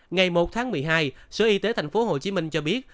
ngày một tháng một mươi hai sở y tế tp hcm cho biết